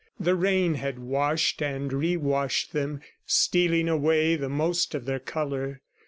The rains had washed and re washed them, stealing away the most of their color.